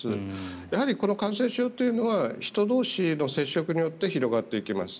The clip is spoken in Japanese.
やはりこの感染症というのは人同士の接触によって広がっていきます。